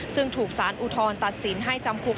ซึ่งถูกสารอุทธรณ์ตัดสินให้จำคุก